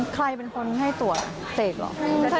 ใครเป็นคนให้ตัวเสกเหรอ